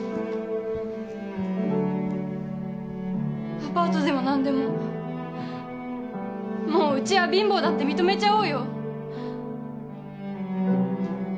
アパートでも何でももううちは貧乏だって認めちゃおうよ。